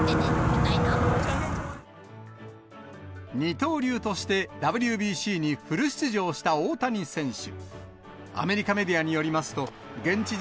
二刀流としてＷＢＣにフル出場した大谷選手。